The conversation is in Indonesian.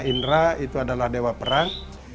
indra itu adalah dewa perang